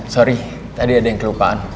sorry tadi ada yang kelupaan